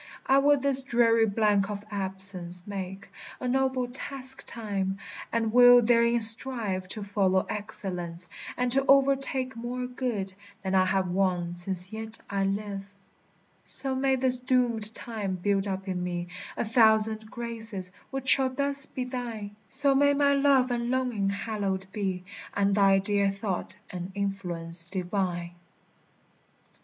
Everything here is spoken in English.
I will this dreary blank of absence make A noble task time; and will therein strive To follow excellence, and to o'ertake More good than I have won since yet I live. So may this doomèd time build up in me A thousand graces, which shall thus be thine; So may my love and longing hallowed be, And thy dear thought an influence divine.